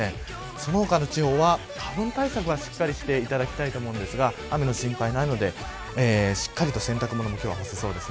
その他の地方は花粉対策はしっかりしていただきたいと思うんですが雨の心配はないので、今日は洗濯物も干せそうです。